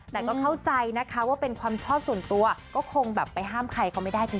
แต่ก็เข้าใจนะคะว่าเป็นความชอบส่วนตัวก็คงแบบไปห้ามใครเขาไม่ได้เถ